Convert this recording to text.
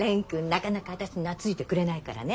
なかなか私に懐いてくれないからね